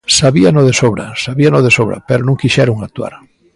Sabíano de sobra; sabíano de sobra, pero non quixeron actuar.